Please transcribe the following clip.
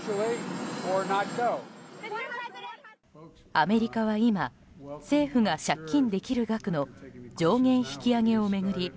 アメリカは今政府が借金できる額の上限引き上げを巡り